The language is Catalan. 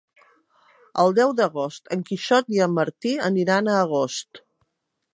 El deu d'agost en Quixot i en Martí aniran a Agost.